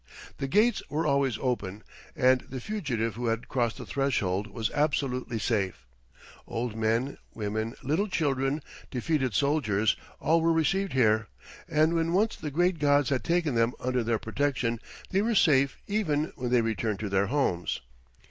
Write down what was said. The gates were always open, and the fugitive who had crossed the threshold was absolutely safe. Old men, women, little children, defeated soldiers, all were received here, and when once the great gods had taken them under their protection, they were safe even, when they returned to their homes.